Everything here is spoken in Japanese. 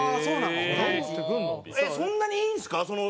そんなにいいんですか？